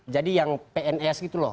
jadi yang pns gitu loh